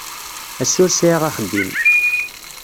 Ass-a ur sɛiɣ axeddim.